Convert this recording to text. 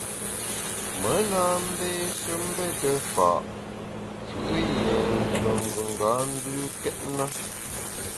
Me na mbeshe mbete fa’ fù’ yie nyùen gùnga mbükét na.